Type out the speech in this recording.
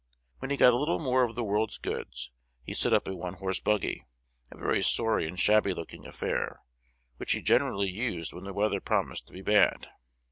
When he got a little more of this world's goods, he set up a one horse buggy, a very sorry and shabby looking affair, which he generally used when the weather promised to be bad.